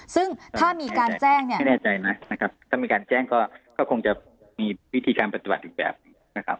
ซึ่งถ้ามีการแจ้งเนี่ยไม่แน่ใจไหมนะครับถ้ามีการแจ้งก็คงจะมีวิธีการปฏิบัติอีกแบบหนึ่งนะครับ